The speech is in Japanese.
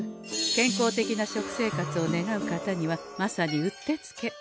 健康的な食生活を願う方にはまさにうってつけ。